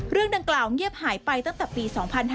เรื่องดังกล่าวเงียบหายไปตั้งแต่ปี๒๕๕๙